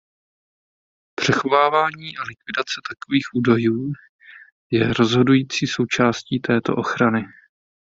Přechovávání a likvidace takových údajů je rozhodující součástí této ochrany.